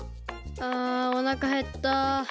あおなかへった！